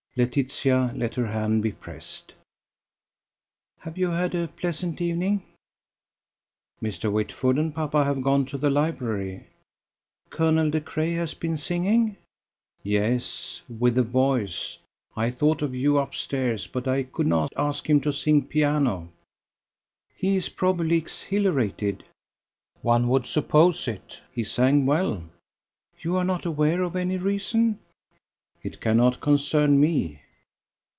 Laetitia let her hand be pressed. "Have you had a pleasant evening?" "Mr. Whitford and papa have gone to the library." "Colonel De Craye has been singing?" "Yes with a voice! I thought of you upstairs, but could not ask him to sing piano." "He is probably exhilarated." "One would suppose it: he sang well." "You are not aware of any reason?" "It cannot concern me."